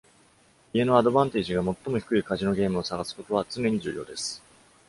家のアドバンテージが最も低いカジノゲームを探すことは常に重要です。